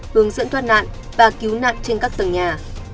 hướng dẫn thoát nạn và cứu nạn trên các tầng nhà